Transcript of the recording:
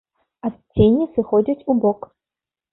Адценні сыходзяць у бок.